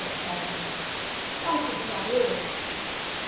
cried the young man, "why should you not live?"